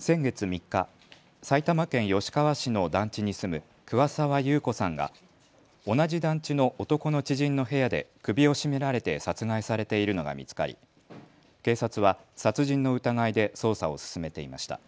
先月３日、埼玉県吉川市の団地に住む桑沢優子さんが同じ団地の男の知人の部屋で首を絞められて殺害されているのが見つかり警察は殺人の疑いで捜査を進めていました。